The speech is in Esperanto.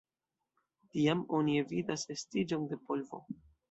Tiam oni evitas estiĝon de polvo.